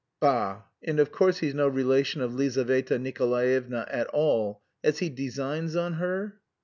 "Bah, and of course he's no relation of Lizaveta Nikolaevna's at all.... Has he designs on her?"